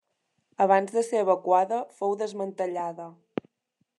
Abans de ser evacuada fou desmantellada.